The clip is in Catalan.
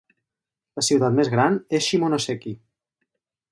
La ciutat més gran és Shimonoseki.